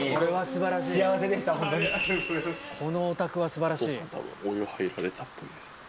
お父さん多分お湯入られたっぽいです。